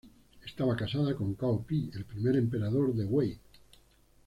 Estaba casada con Cao Pi, el primer emperador de Wei.